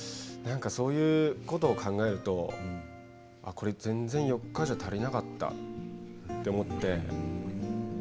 そういうことを考えるとこれ全然４日じゃ足りなかったと思って。